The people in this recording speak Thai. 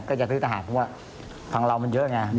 ก็จะซื้อทำราวมันเยอะไง